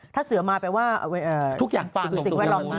ท่าเสือมาแปลว่าเป็นสิ่งแวดลอง่าย